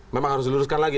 memang harus diluruskan lagi